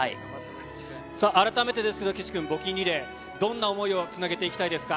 さあ、改めてですけども、岸君、募金リレー、どんな想いをつなげていきたいですか。